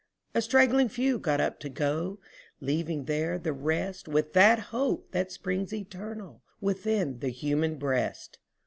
A straggling few got up to go, leaving there the rest, With that hope which springs eternal within the human breast.